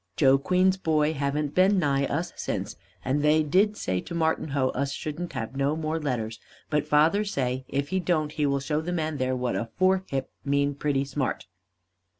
Joe Queen's boy haven't been nigh us since, and they did say to Martinhoe us shouldn't have no more letters, but father say if he don't he will show the man there what a forehip mean pretty smart.